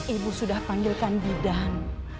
ibu sudah panggilkan bidan